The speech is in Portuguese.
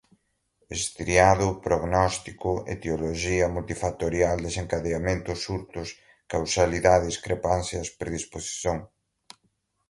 estriado, prognóstico, etiologia, multifatorial, desencadeamento, surtos, causalidade, discrepâncias, predisposição